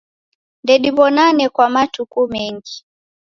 Ndediw'onane kwa matuku mengi.